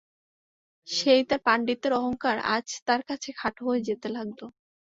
সেই তার পাণ্ডিত্যের অহংকার আজ তার কাছে খাটো হয়ে যেতে লাগল।